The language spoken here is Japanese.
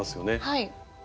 はい。